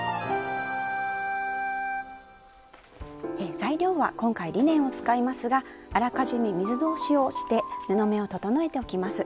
材料は今回リネンを使いますがあらかじめ水通しをして布目を整えておきます。